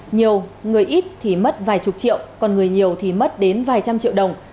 nhiều người ít thì mất vài chục triệu còn người nhiều thì mất đến vài trăm triệu đồng